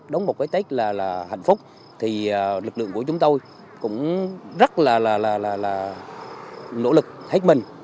đóng một cái tết là hạnh phúc thì lực lượng của chúng tôi cũng rất là nỗ lực hết mình